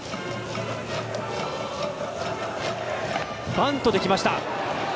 バントできました。